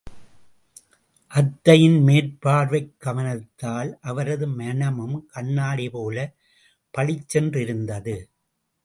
அத்தையின் மேற்பார்வைக் கவனத்தால் அவரது மனமும் கண்ணாடி போல பளிச்சென்றிருந்தது.